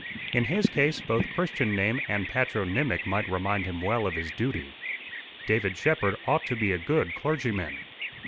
In his case both Christian name and patronymic might remind him well of his duty. David Shepherd ought to be a good clergyman.